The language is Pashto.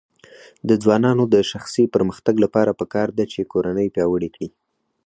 د ځوانانو د شخصي پرمختګ لپاره پکار ده چې کورنۍ پیاوړې کړي.